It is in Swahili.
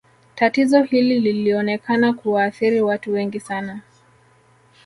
Tatizo hili lilionekana kuwaathiri watu wengi sana